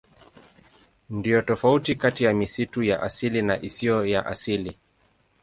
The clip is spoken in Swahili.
Ndiyo tofauti kati ya misitu ya asili na isiyo ya asili.